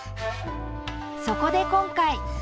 そこで、今回。